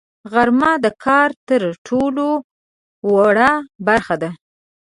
غرمه د کار تر ټولو وروه برخه ده